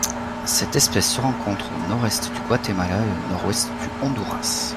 Cette espèce se rencontre au nord-est du Guatemala et au nord-ouest du Honduras.